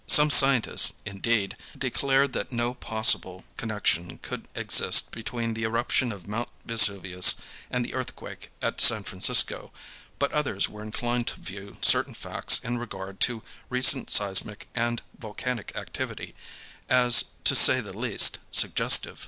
Some scientists, indeed, declared that no possible connection could exist between the eruption of Mount Vesuvius and the earthquake at San Francisco, but others were inclined to view certain facts in regard to recent seismic and volcanic activity as, to say the least, suggestive.